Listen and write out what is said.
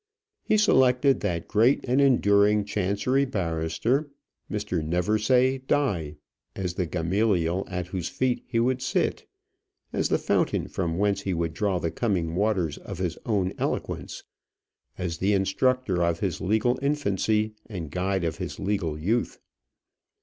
He selected that great and enduring Chancery barrister, Mr. Neversaye Die, as the Gamaliel at whose feet he would sit; as the fountain from whence he would draw the coming waters of his own eloquence; as the instructor of his legal infancy and guide of his legal youth.